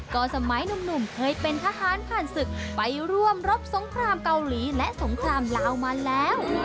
ก็สมัยหนุ่มเคยเป็นทหารผ่านศึกไปร่วมรบสงครามเกาหลีและสงครามลาวมาแล้ว